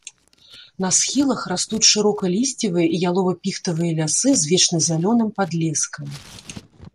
На схілах растуць шырокалісцевыя і ялова-піхтавыя лясы з вечназялёным падлескам.